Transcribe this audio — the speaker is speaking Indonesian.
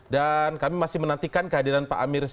dan kami masih menantikan kehadiran pak amir rizwan